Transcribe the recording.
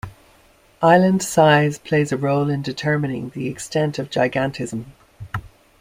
Island size plays a role in determining the extent of gigantism.